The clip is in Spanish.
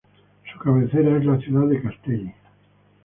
Su cabecera es la ciudad de Castelli.